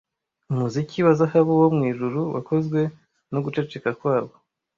umuziki wa zahabu wo mwijuru wakozwe no guceceka kwabo